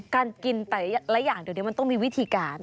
การกินแต่ละอย่างเดี๋ยวนี้มันต้องมีวิธีการ